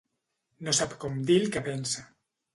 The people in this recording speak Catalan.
No sap com dir el que pensa.